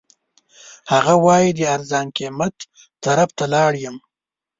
هغه وایي د ارزان قیمت طرف ته لاړ یم.